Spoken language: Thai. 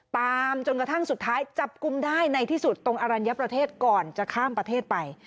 ตามจนกระทั่งสุดท้ายจับกลุ่มได้ในที่สุดตรงอรัญญประเทศก่อนจะข้ามประเทศไป